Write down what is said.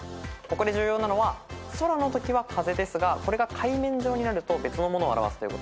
ここで重要なのは空のときは風ですがこれが海面上になると別のものを表すということです。